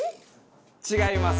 違います。